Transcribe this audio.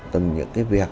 từng những cái việc